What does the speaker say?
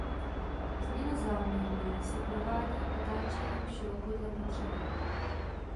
Změna záměrné se provádí otáčením šroubu dle potřeby.